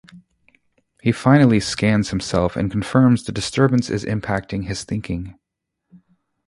He finally scans himself and confirms the disturbance is impacting his thinking.